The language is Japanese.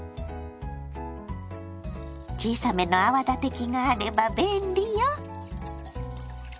小さめの泡立て器があれば便利よ。